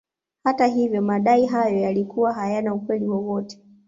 Hata hivyo madai hayo yalikuwa hayana ukweli wowote